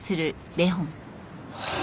はあ。